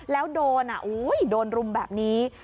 แล้วโดนโดนรุมแบบนี้